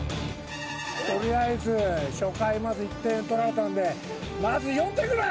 とりあえず初回まず１点取られたんでまず４点ぐらい！